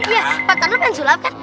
iya pak tano pengen sulap kan